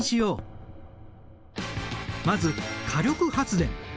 まず火力発電。